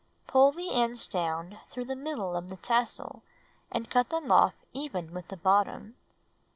Pull the ends down through the middle of the tassel and cut them ||XtO FUflltCr, off even with the bottom.